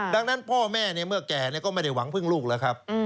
ดังนั้นพ่อแม่เมื่อแก่ก็ไม่ได้หวังพึ่งลูกแล้วครับ